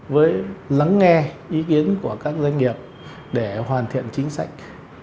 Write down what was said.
với lắng nghe ý kiến của các doanh nghiệp để hoàn thiện chính sách